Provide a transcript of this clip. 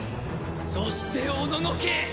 そしておののけ！